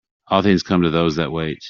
All things come to those that wait.